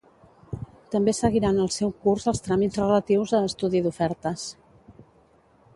També seguiran el seu curs els tràmits relatius a estudi d’ofertes.